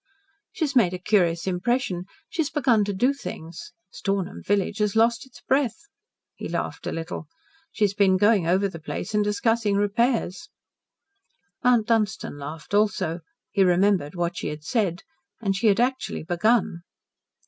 "She has made a curious impression. She has begun to do things. Stornham village has lost its breath." He laughed a little. "She has been going over the place and discussing repairs." Mount Dunstan laughed also. He remembered what she had said. And she had actually begun.